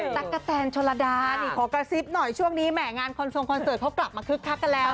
ตั๊กกะแทนชรดาขอกระซิบหน่อยช่วงนี้แหม่งานคอนเซิร์ตเขากลับมาคึกคักกันแล้ว